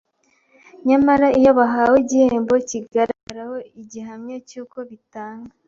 Nyamara iyo bahawe igihembo kigaragaraho igihamya cy’uko bitanga,